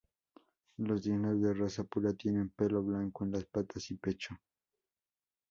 Los dingos de raza pura tienen pelo blanco en las patas y pecho.